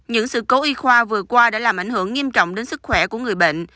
những sự cố y khoa vừa qua đã làm ảnh hưởng nghiêm trọng đến sức khỏe của người bệnh